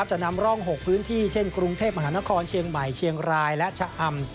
จะนำร่อง๖พื้นที่เช่นกรุงเทพมหานครเชียงใหม่เชียงรายและชะอำ